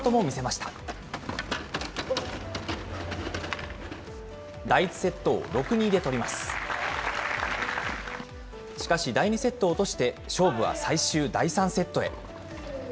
しかし第２セットを落として、勝負は最終第３セットへ。